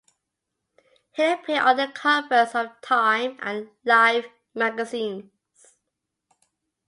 He appeared on the covers of "Time" and "Life" magazines.